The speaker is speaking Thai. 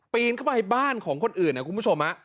นเข้าไปบ้านของคนอื่นนะคุณผู้ชม